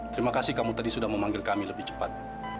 terima kasih kamu tadi sudah memanggil kami lebih cepat